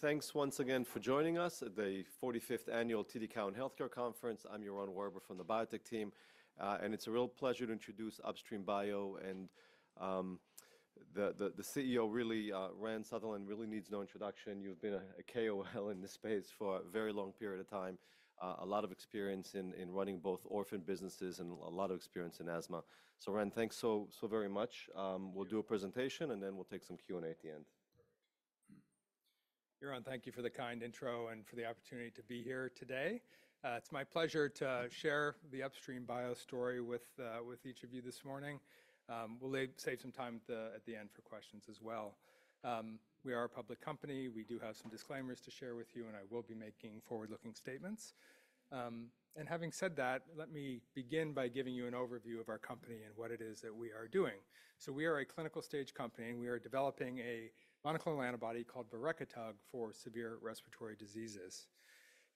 Thanks once again for joining us at the 45th Annual TD Cowen Healthcare Conference. I'm Yaron Werber from the Biotech team, and it's a real pleasure to introduce Upstream Bio. The CEO, really, Rand Sutherland, really needs no introduction. You've been a KOL in this space for a very long period of time, a lot of experience in running both orphan businesses and a lot of experience in asthma. Rand, thanks so very much. We'll do a presentation, and then we'll take some Q&A at the end. Yaron, thank you for the kind intro and for the opportunity to be here today. It's my pleasure to share the Upstream Bio story with each of you this morning. We'll save some time at the end for questions as well. We are a public company. We do have some disclaimers to share with you, and I will be making forward-looking statements. Having said that, let me begin by giving you an overview of our company and what it is that we are doing. We are a clinical stage company, and we are developing a monoclonal antibody called Virecetug for severe respiratory diseases.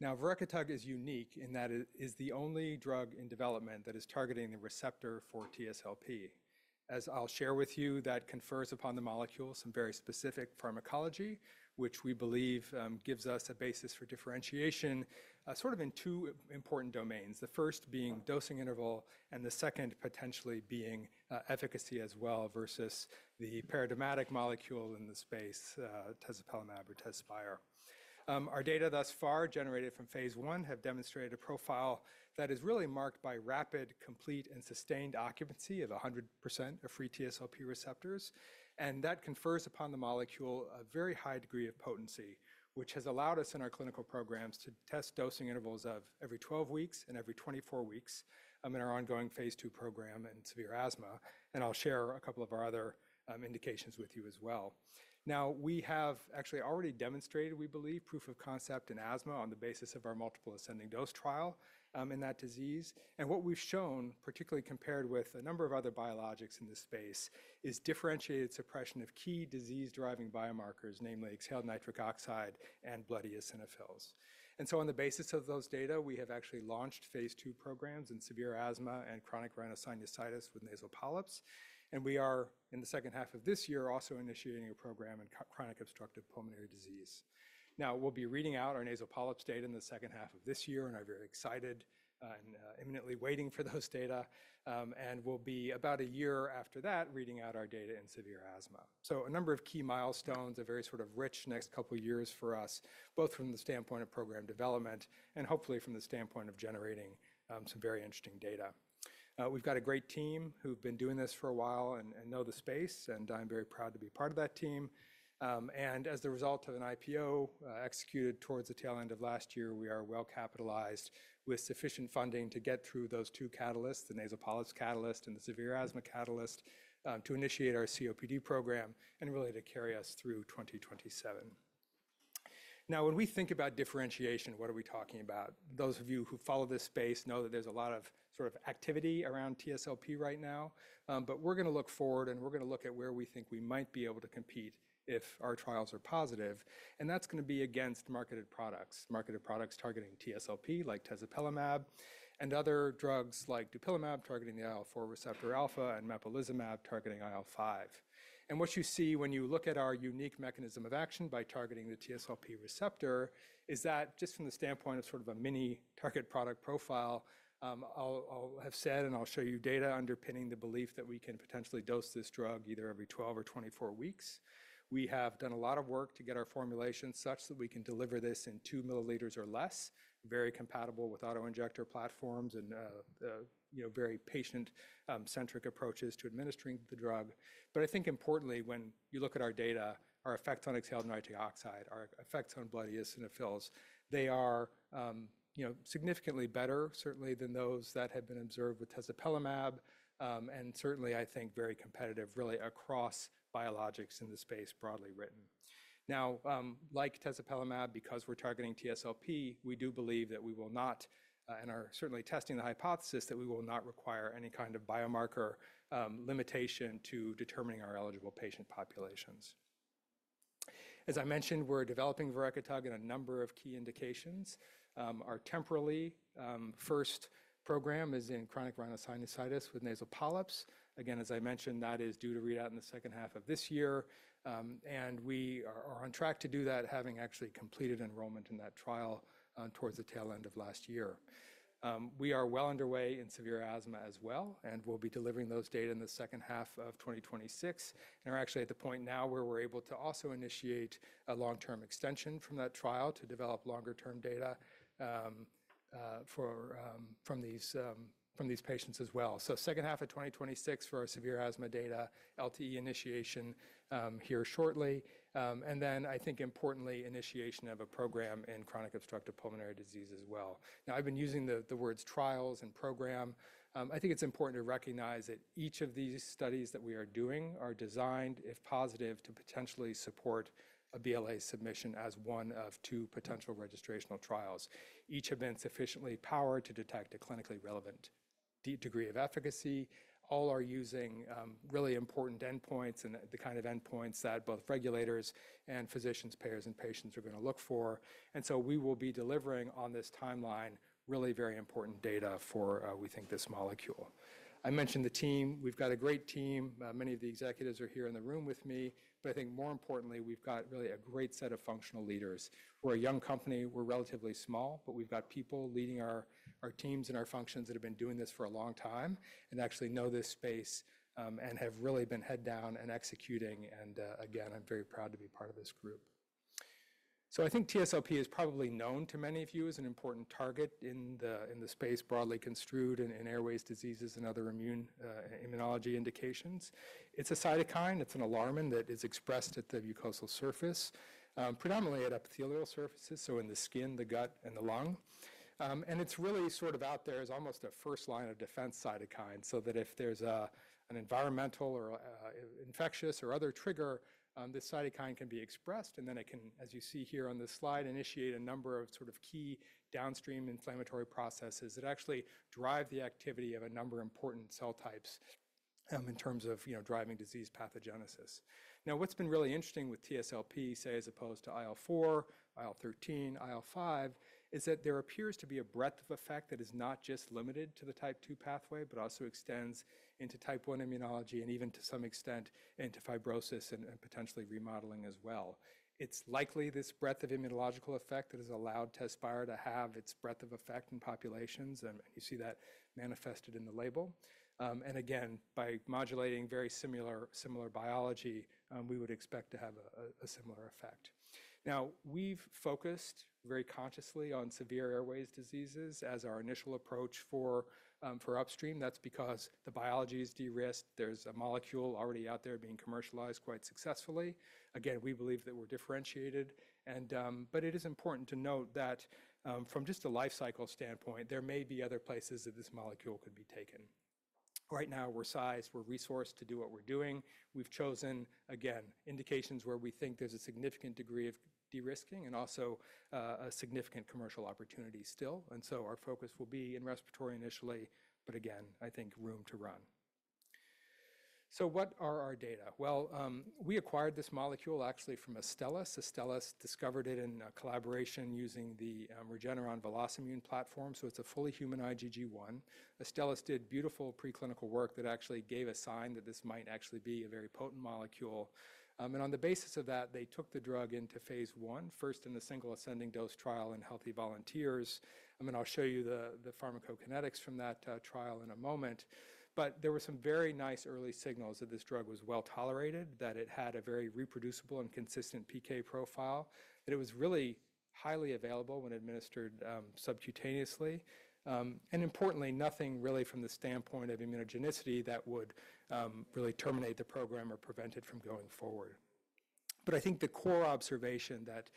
Virecetug is unique in that it is the only drug in development that is targeting the receptor for TSLP. As I'll share with you, that confers upon the molecule some very specific pharmacology, which we believe gives us a basis for differentiation sort of in two important domains. The first being dosing interval, and the second potentially being efficacy as well versus the paradigmatic molecule in the space, Tezspire. Our data thus far generated from phase one have demonstrated a profile that is really marked by rapid, complete, and sustained occupancy of 100% of free TSLP receptors. That confers upon the molecule a very high degree of potency, which has allowed us in our clinical programs to test dosing intervals of every 12 weeks and every 24 weeks in our ongoing phase two program in severe asthma. I'll share a couple of our other indications with you as well. Now, we have actually already demonstrated, we believe, proof of concept in asthma on the basis of our multiple ascending dose trial in that disease. What we've shown, particularly compared with a number of other biologics in this space, is differentiated suppression of key disease-driving biomarkers, namely exhaled nitric oxide and blood eosinophils. On the basis of those data, we have actually launched phase two programs in severe asthma and chronic rhinosinusitis with nasal polyps. We are, in the second half of this year, also initiating a program in chronic obstructive pulmonary disease. We'll be reading out our nasal polyps data in the second half of this year, and I'm very excited and imminently waiting for those data. We'll be about a year after that reading out our data in severe asthma. A number of key milestones, a very sort of rich next couple of years for us, both from the standpoint of program development and hopefully from the standpoint of generating some very interesting data. We've got a great team who've been doing this for a while and know the space, and I'm very proud to be part of that team. As the result of an IPO executed towards the tail end of last year, we are well capitalized with sufficient funding to get through those two catalysts, the nasal polyps catalyst and the severe asthma catalyst, to initiate our COPD program and really to carry us through 2027. Now, when we think about differentiation, what are we talking about? Those of you who follow this space know that there's a lot of sort of activity around TSLP right now, but we're going to look forward and we're going to look at where we think we might be able to compete if our trials are positive. That's going to be against marketed products, marketed products targeting TSLP like Tezspire and other drugs like Dupixent targeting the IL-4 receptor alpha and mepolizumab targeting IL-5. What you see when you look at our unique mechanism of action by targeting the TSLP receptor is that just from the standpoint of sort of a mini target product profile, I'll have said and I'll show you data underpinning the belief that we can potentially dose this drug either every 12 or 24 weeks. We have done a lot of work to get our formulation such that we can deliver this in 2 milliliters or less, very compatible with autoinjector platforms and very patient-centric approaches to administering the drug. I think importantly, when you look at our data, our effects on exhaled nitric oxide, our effects on blood eosinophils, they are significantly better, certainly, than those that have been observed with Tezspire and certainly, I think, very competitive really across biologics in the space broadly written. Now, like Tezspire, because we're targeting TSLP, we do believe that we will not, and are certainly testing the hypothesis that we will not require any kind of biomarker limitation to determining our eligible patient populations. As I mentioned, we're developing Virecetug in a number of key indications. Our temporary first program is in chronic rhinosinusitis with nasal polyps. Again, as I mentioned, that is due to read out in the second half of this year. We are on track to do that, having actually completed enrollment in that trial towards the tail end of last year. We are well underway in severe asthma as well, and we'll be delivering those data in the second half of 2026. We're actually at the point now where we're able to also initiate a long-term extension from that trial to develop longer-term data from these patients as well. Second half of 2026 for our severe asthma data, LTE initiation here shortly. I think importantly, initiation of a program in chronic obstructive pulmonary disease as well. Now, I've been using the words trials and program. I think it's important to recognize that each of these studies that we are doing are designed, if positive, to potentially support a BLA submission as one of two potential registrational trials. Each have been sufficiently powered to detect a clinically relevant degree of efficacy. All are using really important endpoints and the kind of endpoints that both regulators and physicians, payers, and patients are going to look for. We will be delivering on this timeline really very important data for, we think, this molecule. I mentioned the team. We've got a great team. Many of the executives are here in the room with me. I think more importantly, we've got really a great set of functional leaders. We're a young company. We're relatively small, but we've got people leading our teams and our functions that have been doing this for a long time and actually know this space and have really been head down and executing. Again, I'm very proud to be part of this group. I think TSLP is probably known to many of you as an important target in the space broadly construed in airways diseases and other immunology indications. It's a cytokine. It's an alarm that is expressed at the mucosal surface, predominantly at epithelial surfaces, so in the skin, the gut, and the lung. It's really sort of out there as almost a first line of defense cytokine so that if there's an environmental or infectious or other trigger, this cytokine can be expressed. It can, as you see here on this slide, initiate a number of sort of key downstream inflammatory processes that actually drive the activity of a number of important cell types in terms of driving disease pathogenesis. What's been really interesting with TSLP, say, as opposed to IL-4, IL-13, IL-5, is that there appears to be a breadth of effect that is not just limited to the type 2 pathway, but also extends into type 1 immunology and even to some extent into fibrosis and potentially remodeling as well. It's likely this breadth of immunological effect that has allowed Tezspire to have its breadth of effect in populations. You see that manifested in the label. Again, by modulating very similar biology, we would expect to have a similar effect. We've focused very consciously on severe airways diseases as our initial approach for Upstream. That's because the biology is de-risked. There's a molecule already out there being commercialized quite successfully. Again, we believe that we're differentiated. It is important to note that from just a life cycle standpoint, there may be other places that this molecule could be taken. Right now, we're sized, we're resourced to do what we're doing. We've chosen, again, indications where we think there's a significant degree of de-risking and also a significant commercial opportunity still. Our focus will be in respiratory initially, again, I think room to run. What are our data? We acquired this molecule actually from Astellas. Astellas discovered it in a collaboration using the Regeneron VelocImmune platform. It's a fully human IgG1. Astellas did beautiful preclinical work that actually gave a sign that this might actually be a very potent molecule. On the basis of that, they took the drug into phase one, first in the single ascending dose trial in healthy volunteers. I'm going to show you the pharmacokinetics from that trial in a moment. There were some very nice early signals that this drug was well tolerated, that it had a very reproducible and consistent PK profile, that it was really highly available when administered subcutaneously. Importantly, nothing really from the standpoint of immunogenicity would really terminate the program or prevent it from going forward. I think the core observation that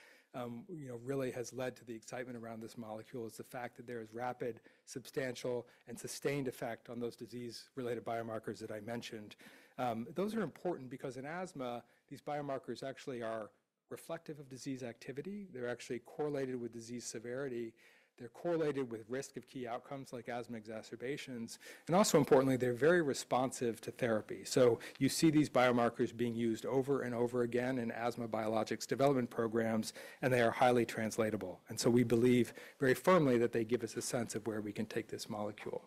really has led to the excitement around this molecule is the fact that there is rapid, substantial, and sustained effect on those disease-related biomarkers that I mentioned. Those are important because in asthma, these biomarkers actually are reflective of disease activity. They're actually correlated with disease severity. They're correlated with risk of key outcomes like asthma exacerbations. Also importantly, they're very responsive to therapy. You see these biomarkers being used over and over again in asthma biologics development programs, and they are highly translatable. We believe very firmly that they give us a sense of where we can take this molecule.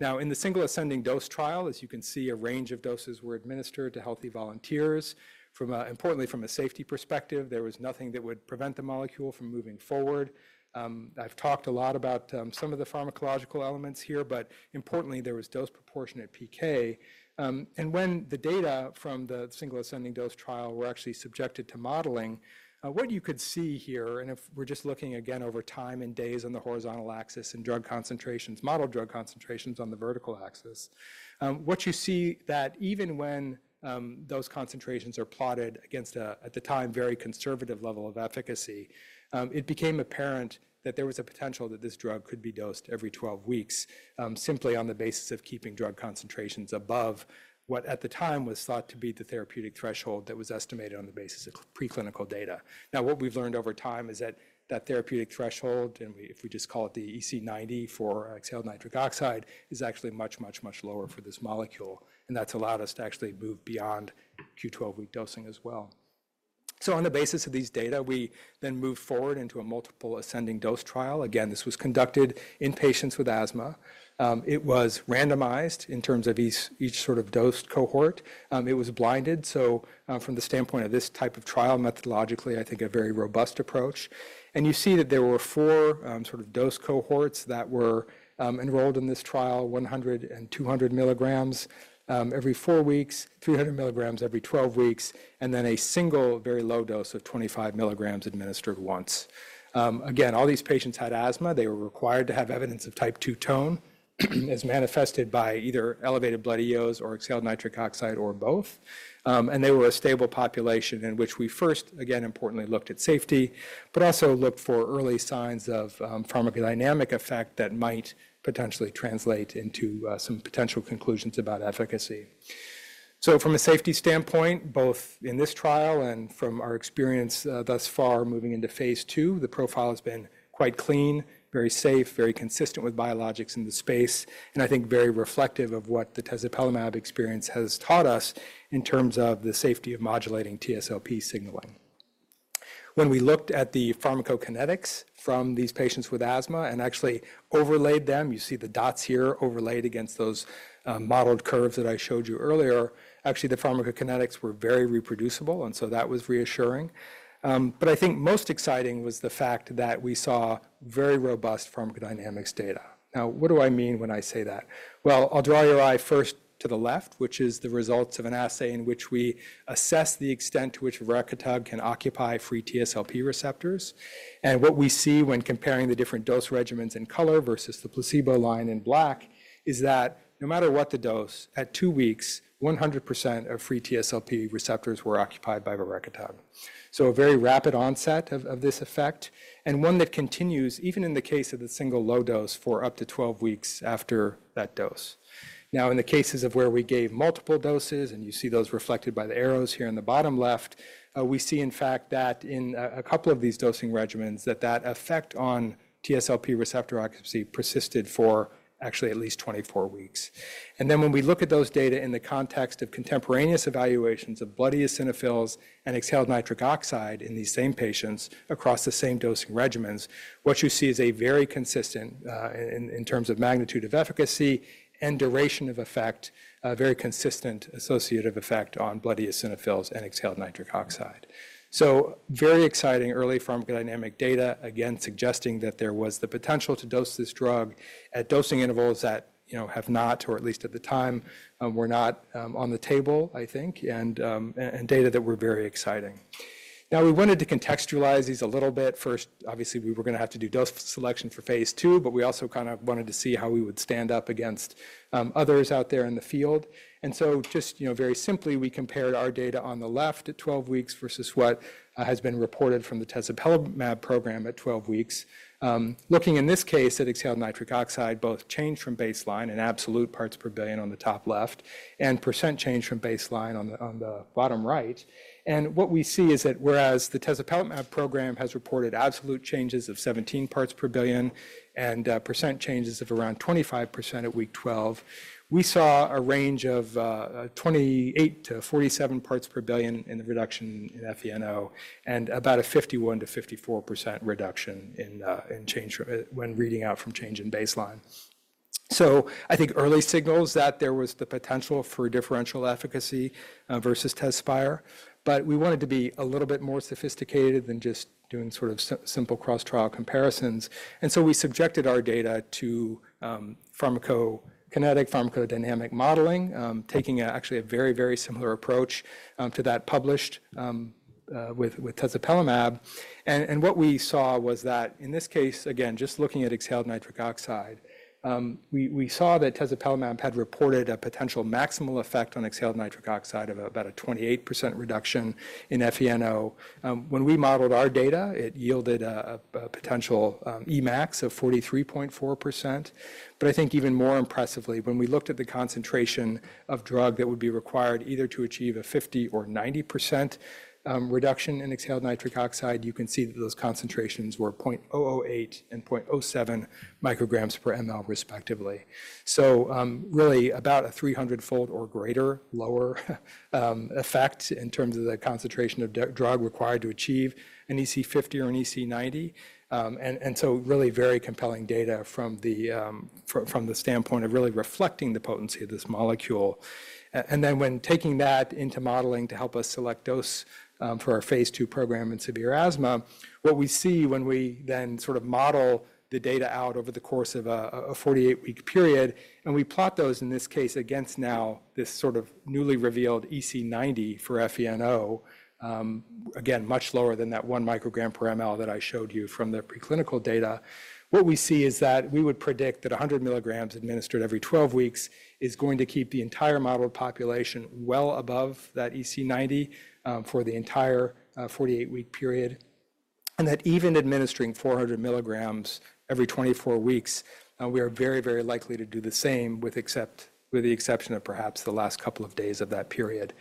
Now, in the single ascending dose trial, as you can see, a range of doses were administered to healthy volunteers. Importantly, from a safety perspective, there was nothing that would prevent the molecule from moving forward. I've talked a lot about some of the pharmacological elements here, but importantly, there was dose proportionate PK. When the data from the single ascending dose trial were actually subjected to modeling, what you could see here, and if we're just looking again over time and days on the horizontal axis and drug concentrations, model drug concentrations on the vertical axis, what you see is that even when those concentrations are plotted against a, at the time, very conservative level of efficacy, it became apparent that there was a potential that this drug could be dosed every 12 weeks simply on the basis of keeping drug concentrations above what at the time was thought to be the therapeutic threshold that was estimated on the basis of preclinical data. Now, what we've learned over time is that that therapeutic threshold, and if we just call it the EC90 for exhaled nitric oxide, is actually much, much, much lower for this molecule. That has allowed us to actually move beyond Q12 week dosing as well. On the basis of these data, we then moved forward into a multiple ascending dose trial. Again, this was conducted in patients with asthma. It was randomized in terms of each sort of dose cohort. It was blinded. From the standpoint of this type of trial, methodologically, I think a very robust approach. You see that there were four sort of dose cohorts that were enrolled in this trial: 100 and 200 milligrams every four weeks, 300 milligrams every 12 weeks, and then a single very low dose of 25 milligrams administered once. Again, all these patients had asthma. They were required to have evidence of type 2 tone, as manifested by either elevated blood eosinophils or exhaled nitric oxide or both. They were a stable population in which we first, again, importantly looked at safety, but also looked for early signs of pharmacodynamic effect that might potentially translate into some potential conclusions about efficacy. From a safety standpoint, both in this trial and from our experience thus far moving into phase two, the profile has been quite clean, very safe, very consistent with biologics in the space, and I think very reflective of what the Tezspire experience has taught us in terms of the safety of modulating TSLP signaling. When we looked at the pharmacokinetics from these patients with asthma and actually overlaid them, you see the dots here overlaid against those modeled curves that I showed you earlier, actually the pharmacokinetics were very reproducible. That was reassuring. I think most exciting was the fact that we saw very robust pharmacodynamics data. Now, what do I mean when I say that? I'll draw your eye first to the left, which is the results of an assay in which we assess the extent to which Virecetug can occupy free TSLP receptors. What we see when comparing the different dose regimens in color versus the placebo line in black is that no matter what the dose, at two weeks, 100% of free TSLP receptors were occupied by Virecetug. A very rapid onset of this effect and one that continues even in the case of the single low dose for up to 12 weeks after that dose. Now, in the cases of where we gave multiple doses, and you see those reflected by the arrows here in the bottom left, we see in fact that in a couple of these dosing regimens, that that effect on TSLP receptor occupancy persisted for actually at least 24 weeks. When we look at those data in the context of contemporaneous evaluations of blood eosinophils and exhaled nitric oxide in these same patients across the same dosing regimens, what you see is a very consistent in terms of magnitude of efficacy and duration of effect, very consistent associative effect on blood eosinophils and exhaled nitric oxide. Very exciting early pharmacodynamic data, again, suggesting that there was the potential to dose this drug at dosing intervals that have not, or at least at the time, were not on the table, I think, and data that were very exciting. Now, we wanted to contextualize these a little bit. First, obviously, we were going to have to do dose selection for phase two, but we also kind of wanted to see how we would stand up against others out there in the field. Just very simply, we compared our data on the left at 12 weeks versus what has been reported from the Tezspire program at 12 weeks, looking in this case at exhaled nitric oxide, both change from baseline and absolute parts per billion on the top left and % change from baseline on the bottom right. What we see is that whereas the Tezspire program has reported absolute changes of 17 parts per billion and % changes of around 25% at week 12, we saw a range of 28-47 parts per billion in the reduction in FeNO and about a 51-54% reduction in change when reading out from change in baseline. I think early signals that there was the potential for differential efficacy versus Tezspire, but we wanted to be a little bit more sophisticated than just doing sort of simple cross-trial comparisons. We subjected our data to pharmacokinetic, pharmacodynamic modeling, taking actually a very, very similar approach to that published with Tezspire. What we saw was that in this case, again, just looking at exhaled nitric oxide, we saw that Tezspire had reported a potential maximal effect on exhaled nitric oxide of about a 28% reduction in FeNO. When we modeled our data, it yielded a potential Emax of 43.4%. I think even more impressively, when we looked at the concentration of drug that would be required either to achieve a 50% or 90% reduction in exhaled nitric oxide, you can see that those concentrations were 0.008 and 0.07 micrograms per mL respectively. Really about a 300-fold or greater lower effect in terms of the concentration of drug required to achieve an EC50 or an EC90. Really very compelling data from the standpoint of really reflecting the potency of this molecule. When taking that into modeling to help us select dose for our phase two program in severe asthma, what we see when we then sort of model the data out over the course of a 48-week period, and we plot those in this case against now this sort of newly revealed EC90 for FeNO, again, much lower than that one microgram per mL that I showed you from the preclinical data, what we see is that we would predict that 100 milligrams administered every 12 weeks is going to keep the entire modeled population well above that EC90 for the entire 48-week period. That even administering 400 milligrams every 24 weeks, we are very, very likely to do the same with the exception of perhaps the last couple of days of that period.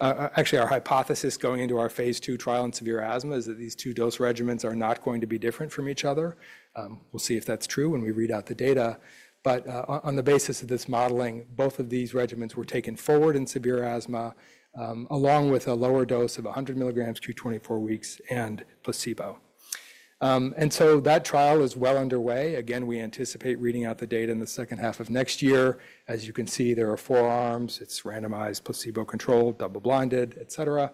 Actually, our hypothesis going into our phase two trial in severe asthma is that these two dose regimens are not going to be different from each other. We'll see if that's true when we read out the data. On the basis of this modeling, both of these regimens were taken forward in severe asthma along with a lower dose of 100 milligrams q24 weeks and placebo. That trial is well underway. Again, we anticipate reading out the data in the second half of next year. As you can see, there are four arms. It's randomized placebo control, double-blinded, et cetera.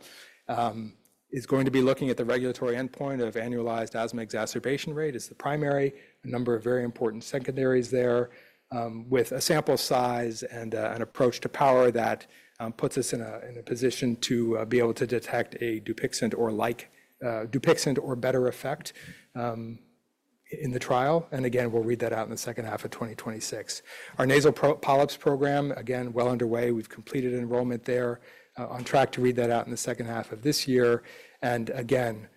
It's going to be looking at the regulatory endpoint of annualized asthma exacerbation rate as the primary, a number of very important secondaries there, with a sample size and an approach to power that puts us in a position to be able to detect a Dupixent or like Dupixent or better effect in the trial. We'll read that out in the second half of 2026. Our nasal polyps program, again, well underway. We've completed enrollment there, on track to read that out in the second half of this year. Again,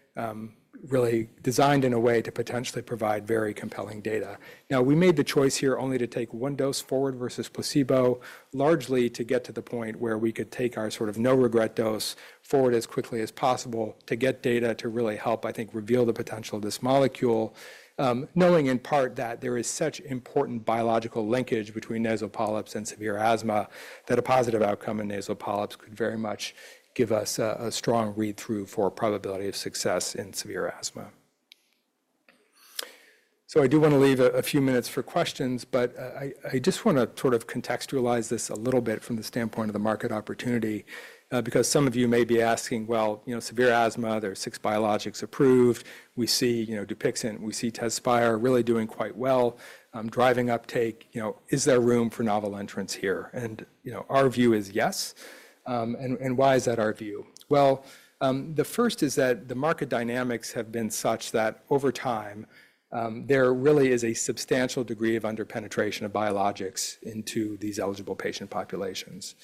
really designed in a way to potentially provide very compelling data. Now, we made the choice here only to take one dose forward versus placebo, largely to get to the point where we could take our sort of no-regret dose forward as quickly as possible to get data to really help, I think, reveal the potential of this molecule, knowing in part that there is such important biological linkage between nasal polyps and severe asthma that a positive outcome in nasal polyps could very much give us a strong read-through for probability of success in severe asthma. I do want to leave a few minutes for questions, but I just want to sort of contextualize this a little bit from the standpoint of the market opportunity because some of you may be asking, well, severe asthma, there are six biologics approved. We see Dupixent. We see Tezspire really doing quite well. Driving uptake, is there room for novel entrants here? Our view is yes. Why is that our view? The first is that the market dynamics have been such that over time, there really is a substantial degree of underpenetration of biologics into these eligible patient populations.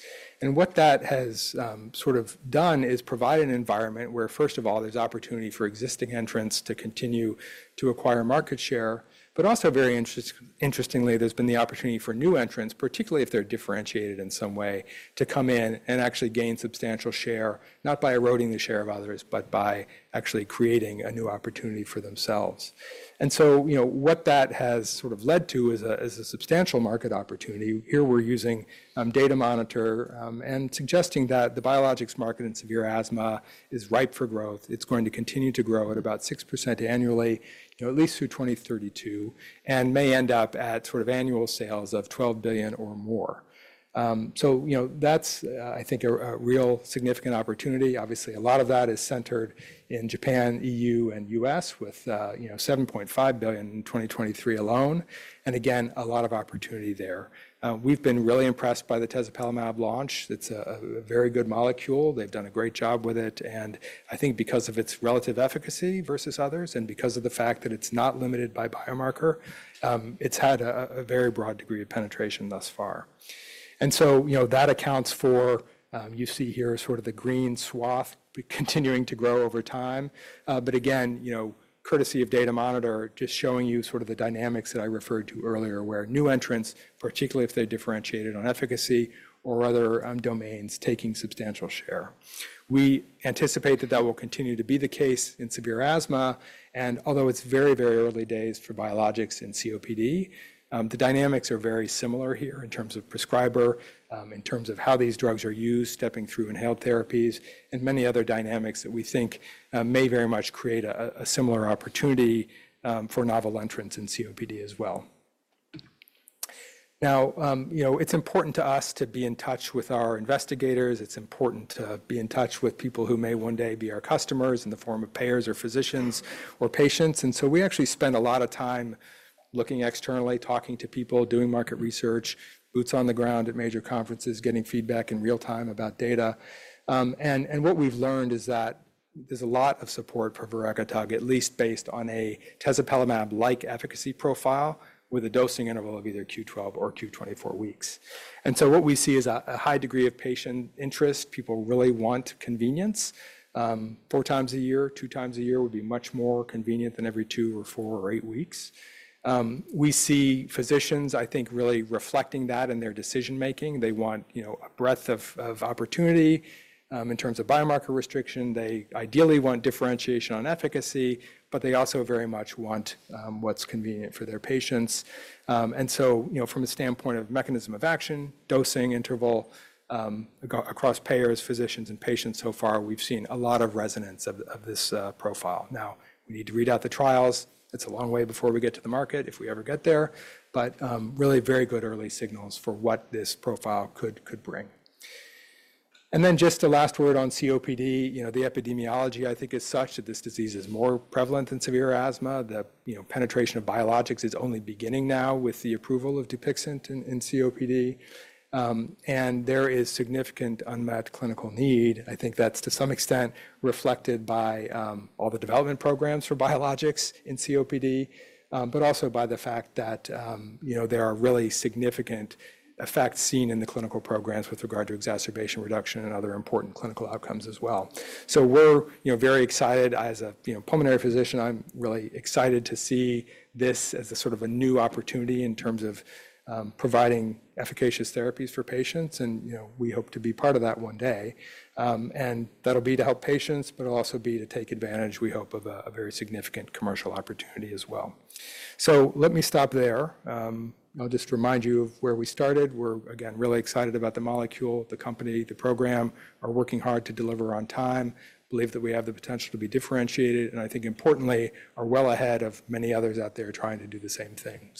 What that has sort of done is provide an environment where, first of all, there is opportunity for existing entrants to continue to acquire market share. Also, very interestingly, there has been the opportunity for new entrants, particularly if they are differentiated in some way, to come in and actually gain substantial share, not by eroding the share of others, but by actually creating a new opportunity for themselves. What that has sort of led to is a substantial market opportunity. Here, we are using Data Monitor and suggesting that the biologics market in severe asthma is ripe for growth. It's going to continue to grow at about 6% annually, at least through 2032, and may end up at sort of annual sales of $12 billion or more. That's, I think, a real significant opportunity. Obviously, a lot of that is centered in Japan, EU, and US with $7.5 billion in 2023 alone. Again, a lot of opportunity there. We've been really impressed by the Tezspire launch. It's a very good molecule. They've done a great job with it. I think because of its relative efficacy versus others and because of the fact that it's not limited by biomarker, it's had a very broad degree of penetration thus far. That accounts for, you see here, sort of the green swath continuing to grow over time. Again, courtesy of Data Monitor, just showing you sort of the dynamics that I referred to earlier where new entrants, particularly if they're differentiated on efficacy or other domains, taking substantial share. We anticipate that that will continue to be the case in severe asthma. Although it's very, very early days for biologics and COPD, the dynamics are very similar here in terms of prescriber, in terms of how these drugs are used, stepping through inhaled therapies, and many other dynamics that we think may very much create a similar opportunity for novel entrants in COPD as well. Now, it's important to us to be in touch with our investigators. It's important to be in touch with people who may one day be our customers in the form of payers or physicians or patients. We actually spend a lot of time looking externally, talking to people, doing market research, boots on the ground at major conferences, getting feedback in real time about data. What we've learned is that there's a lot of support for Virecetug, at least based on a Tezspire-like efficacy profile with a dosing interval of either q12 or q24 weeks. What we see is a high degree of patient interest. People really want convenience. Four times a year, two times a year would be much more convenient than every two or four or eight weeks. We see physicians, I think, really reflecting that in their decision-making. They want a breadth of opportunity in terms of biomarker restriction. They ideally want differentiation on efficacy, but they also very much want what's convenient for their patients. From a standpoint of mechanism of action, dosing interval across payers, physicians, and patients, so far, we've seen a lot of resonance of this profile. Now, we need to read out the trials. It's a long way before we get to the market, if we ever get there, but really very good early signals for what this profile could bring. Just the last word on COPD, the epidemiology, I think, is such that this disease is more prevalent than severe asthma. The penetration of biologics is only beginning now with the approval of Dupixent in COPD. There is significant unmet clinical need. I think that's to some extent reflected by all the development programs for biologics in COPD, but also by the fact that there are really significant effects seen in the clinical programs with regard to exacerbation reduction and other important clinical outcomes as well. We're very excited. As a pulmonary physician, I'm really excited to see this as a sort of a new opportunity in terms of providing efficacious therapies for patients. We hope to be part of that one day. That'll be to help patients, but it'll also be to take advantage, we hope, of a very significant commercial opportunity as well. Let me stop there. I'll just remind you of where we started. We're, again, really excited about the molecule, the company, the program. We're working hard to deliver on time. We believe that we have the potential to be differentiated. I think, importantly, we're well ahead of many others out there trying to do the same thing.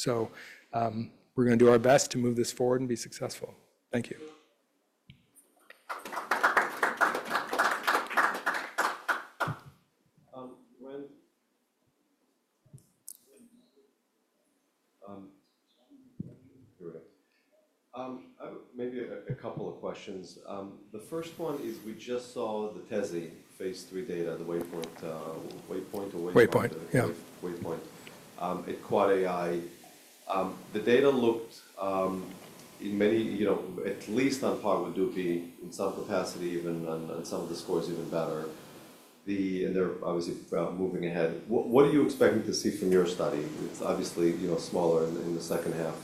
We're going to do our best to move this forward and be successful. Thank you. Maybe a couple of questions. The first one is we just saw the Tezspire phase three data, the Waypoint. Waypoint. Waypoint. At Quad AI. The data looked, in many, at least on par with Dupixent, in some capacity, even on some of the scores, even better. They're obviously moving ahead. What are you expecting to see from your study? It's obviously smaller in the second half.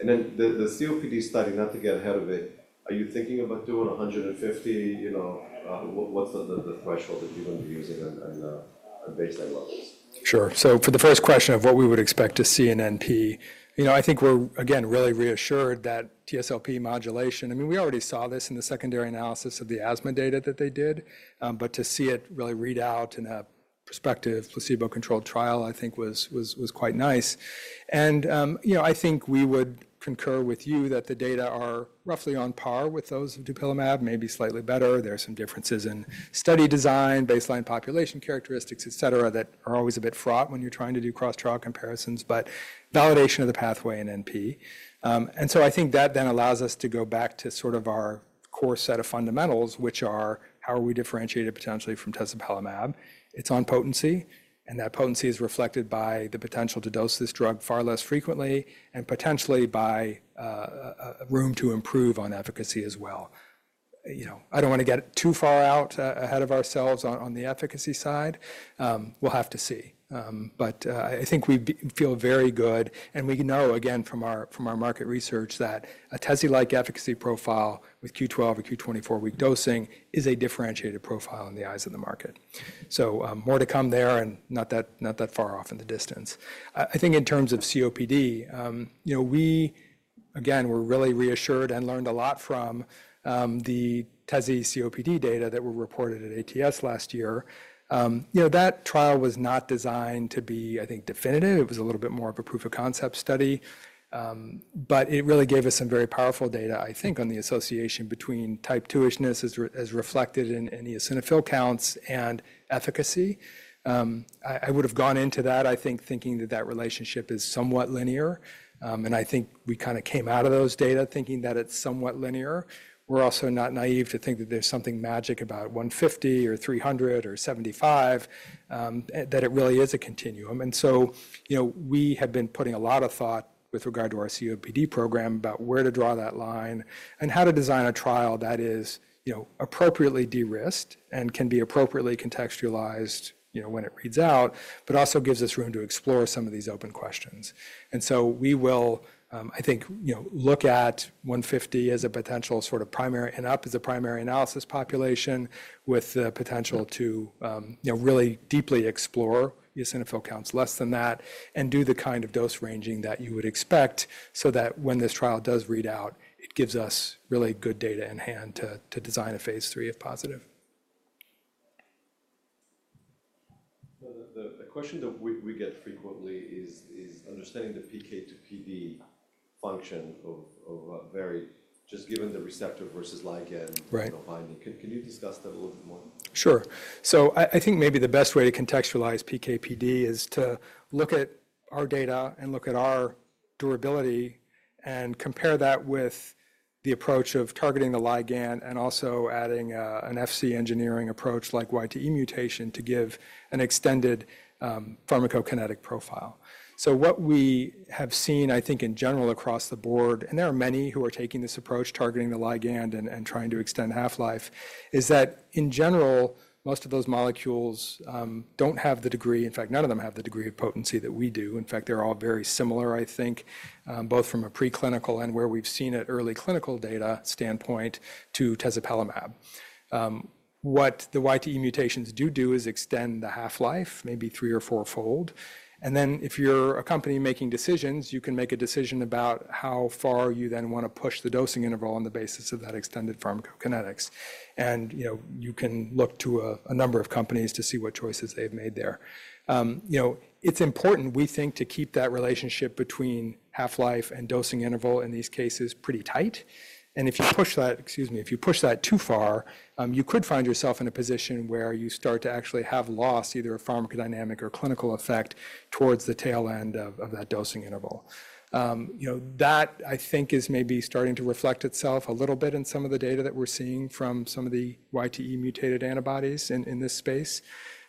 And then the COPD study, not to get ahead of it, are you thinking about doing 150? What's the threshold that you're going to be using on baseline levels? Sure. For the first question of what we would expect to see in NP, I think we're, again, really reassured that TSLP modulation, I mean, we already saw this in the secondary analysis of the asthma data that they did, but to see it really read out in a prospective placebo-controlled trial, I think, was quite nice. I think we would concur with you that the data are roughly on par with those of Dupixent, maybe slightly better. There are some differences in study design, baseline population characteristics, et cetera, that are always a bit fraught when you're trying to do cross-trial comparisons, but validation of the pathway in NP. I think that then allows us to go back to sort of our core set of fundamentals, which are how are we differentiated potentially from Tezspire. It's on potency. That potency is reflected by the potential to dose this drug far less frequently and potentially by room to improve on efficacy as well. I do not want to get too far out ahead of ourselves on the efficacy side. We will have to see. I think we feel very good. We know, again, from our market research that a TESI-like efficacy profile with q12 or q24 week dosing is a differentiated profile in the eyes of the market. More to come there and not that far off in the distance. I think in terms of COPD, we, again, were really reassured and learned a lot from the TESI COPD data that were reported at ATS last year. That trial was not designed to be, I think, definitive. It was a little bit more of a proof of concept study. It really gave us some very powerful data, I think, on the association between type 2-ishness as reflected in eosinophil counts and efficacy. I would have gone into that, I think, thinking that that relationship is somewhat linear. I think we kind of came out of those data thinking that it's somewhat linear. We're also not naive to think that there's something magic about 150 or 300 or 75, that it really is a continuum. We have been putting a lot of thought with regard to our COPD program about where to draw that line and how to design a trial that is appropriately de-risked and can be appropriately contextualized when it reads out, but also gives us room to explore some of these open questions. We will, I think, look at 150 as a potential sort of primary and up as a primary analysis population with the potential to really deeply explore eosinophil counts less than that and do the kind of dose ranging that you would expect so that when this trial does read out, it gives us really good data in hand to design a phase three if positive. The question that we get frequently is understanding the PK to PD function of just given the receptor versus ligand binding. Can you discuss that a little bit more? Sure. I think maybe the best way to contextualize PK PD is to look at our data and look at our durability and compare that with the approach of targeting the ligand and also adding an Fc engineering approach like YTE mutation to give an extended pharmacokinetic profile. What we have seen, I think, in general across the board, and there are many who are taking this approach targeting the ligand and trying to extend half-life, is that in general, most of those molecules do not have the degree, in fact, none of them have the degree of potency that we do. In fact, they are all very similar, I think, both from a preclinical and where we have seen it early clinical data standpoint to Tezspire. What the YTE mutations do do is extend the half-life, maybe three- or four-fold. If you are a company making decisions, you can make a decision about how far you then want to push the dosing interval on the basis of that extended pharmacokinetics. You can look to a number of companies to see what choices they have made there. It's important, we think, to keep that relationship between half-life and dosing interval in these cases pretty tight. If you push that, excuse me, if you push that too far, you could find yourself in a position where you start to actually have lost either a pharmacodynamic or clinical effect towards the tail end of that dosing interval. That, I think, is maybe starting to reflect itself a little bit in some of the data that we're seeing from some of the YTE mutated antibodies in this space.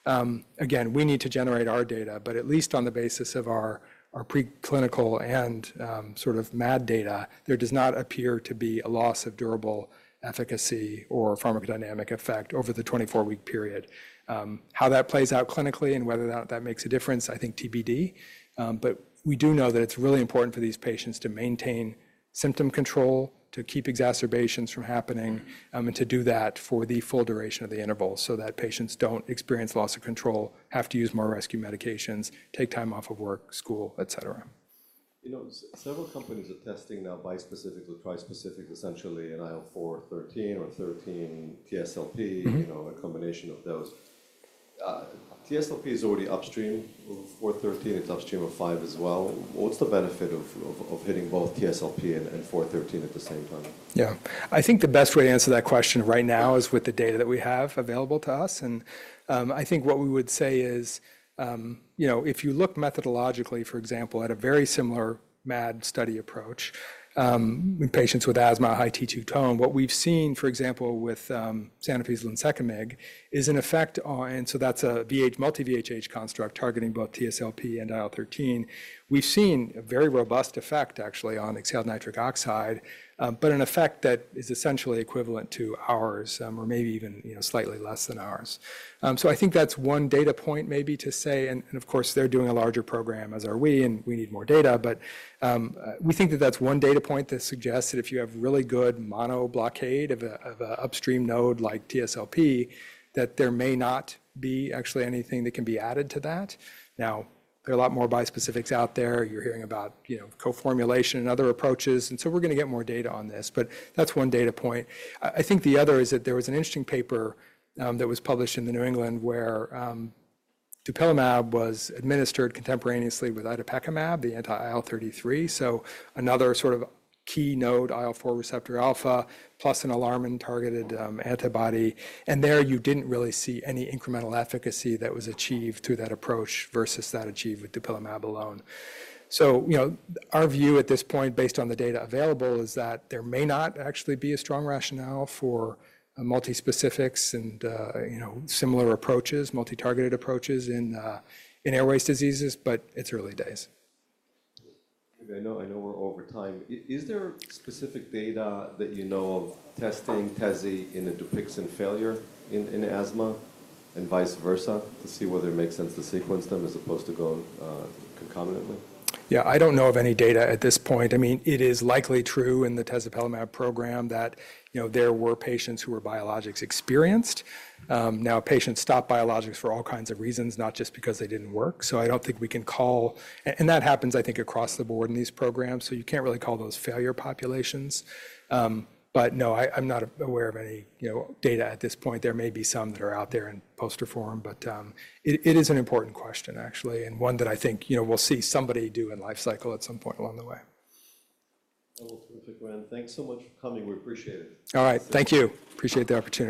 Again, we need to generate our data, but at least on the basis of our preclinical and sort of MAD data, there does not appear to be a loss of durable efficacy or pharmacodynamic effect over the 24-week period. How that plays out clinically and whether or not that makes a difference, I think TBD. We do know that it's really important for these patients to maintain symptom control, to keep exacerbations from happening, and to do that for the full duration of the interval so that patients don't experience loss of control, have to use more rescue medications, take time off of work, school, et cetera. Several companies are testing now bispecific or trispecific, essentially, and IL-4/13 or 13 TSLP, a combination of those. TSLP is already upstream of 4/13. It's upstream of 5 as well. What's the benefit of hitting both TSLP and 4/13 at the same time? Yeah. I think the best way to answer that question right now is with the data that we have available to us. I think what we would say is, if you look methodologically, for example, at a very similar MAD study approach with patients with asthma, high T2 tone, what we've seen, for example, with Sanofi's Linsecamig is an effect, and that's a multi-VHH construct targeting both TSLP and IL-13. We've seen a very robust effect, actually, on exhaled nitric oxide, but an effect that is essentially equivalent to ours or maybe even slightly less than ours. I think that's one data point maybe to say, and of course, they're doing a larger program as are we, and we need more data. We think that that's one data point that suggests that if you have really good monoblockade of an upstream node like TSLP, there may not be actually anything that can be added to that. There are a lot more bispecifics out there. You're hearing about co-formulation and other approaches. We're going to get more data on this. That's one data point. I think the other is that there was an interesting paper that was published in The New England where Dupixent was administered contemporaneously with itepekimab, the anti-IL-33, so another sort of key node, IL-4 receptor alpha, plus an alarmin-targeted antibody. There, you didn't really see any incremental efficacy that was achieved through that approach versus that achieved with Dupixent alone. Our view at this point, based on the data available, is that there may not actually be a strong rationale for multi-specifics and similar approaches, multi-targeted approaches in airways diseases, but it's early days. I know we're over time. Is there specific data that you know of testing Tezspire in a Dupixent failure in asthma and vice versa to see whether it makes sense to sequence them as opposed to going concomitantly? Yeah. I don't know of any data at this point. I mean, it is likely true in the Tezspire program that there were patients who were biologics experienced. Now, patients stopped biologics for all kinds of reasons, not just because they didn't work. I don't think we can call, and that happens, I think, across the board in these programs. You can't really call those failure populations. No, I'm not aware of any data at this point. There may be some that are out there in poster form, but it is an important question, actually, and one that I think we'll see somebody do in life cycle at some point along the way. That was terrific, Rand. Thanks so much for coming. We appreciate it. All right. Thank you. Appreciate the opportunity.